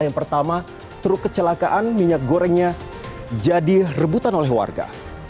yang pertama truk kecelakaan minyak gorengnya jadi rebutan oleh warga